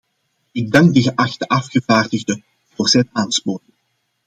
Ik dank de geachte afgevaardigde voor zijn aansporing.